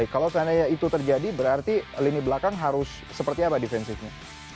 kalau seandainya itu terjadi berarti lini belakang harus seperti apa defensifnya